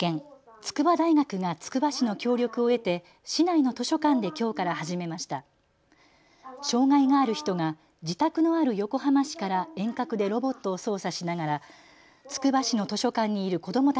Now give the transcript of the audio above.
筑波大学がつくば市の協力を得て市内の図書館できょうから始めました。